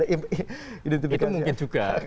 itu mungkin juga